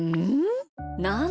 ん？